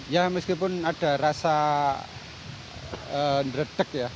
ya meskipun ada rasa nredek ya